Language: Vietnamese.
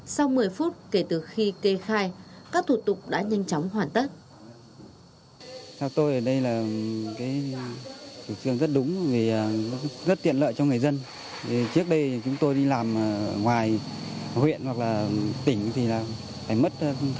sau một mươi phút kể từ khi kê khai các thủ tục đã nhanh chóng hoàn tất